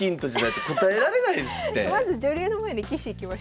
まず女流の前に棋士いきましょう。